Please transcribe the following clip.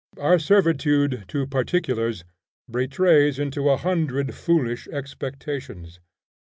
Our servitude to particulars betrays into a hundred foolish expectations.